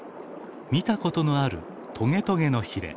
見たことのあるトゲトゲのひれ。